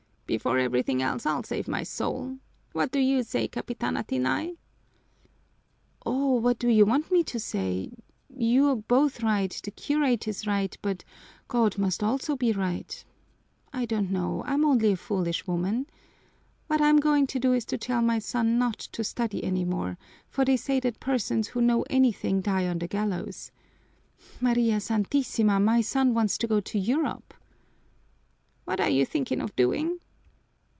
Before everything else, I'll save my soul. What do you say, Capitana Tinny?" "Oh, what do you want me to say? You're both right the curate is right, but God must also be right. I don't know, I'm only a foolish woman. What I'm going to do is to tell my son not to study any more, for they say that persons who know anything die on the gallows. María Santísima, my son wants to go to Europe!" "What are you thinking of doing?"